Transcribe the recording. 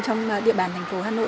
trong địa bàn thành phố hà nội